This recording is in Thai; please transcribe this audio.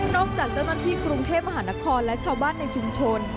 จากเจ้าหน้าที่กรุงเทพมหานครและชาวบ้านในชุมชน